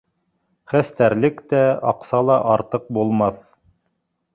Хәстәрлек тә, аҡса ла артыҡ булмаҫ